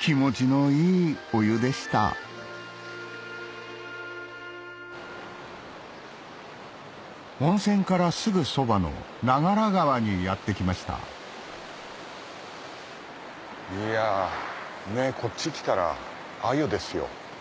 気持ちのいいお湯でした温泉からすぐそばの長良川にやって来ましたいやこっち来たらアユですよ。